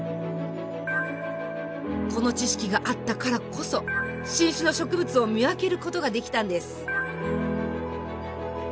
この知識があったからこそ新種の植物を見分けることができたんです。